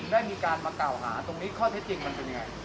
ได้มีการมากล่าวหาตรงนี้ข้อเท็จจริงมันเป็นยังไง